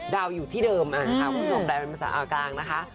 ดาลอยู่ที่เดิมนะค่ะคุณผู้ชมมันออกกลางนะคะ